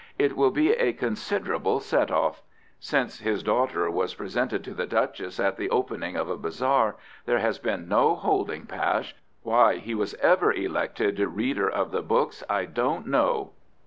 it will be a considerable set off. Since his daughter was presented to the duchess at the opening of a bazaar, there has been no holding Pash; why he was ever elected Reader of the Books, I don't know.